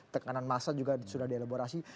tekanan massa juga sudah dielaborasi